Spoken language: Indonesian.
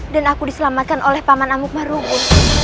dan aku diselamatkan oleh paman amuk marugun